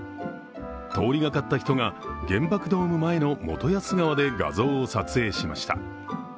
通りがかった人が原爆ドーム前の元安川で画像を撮影しました。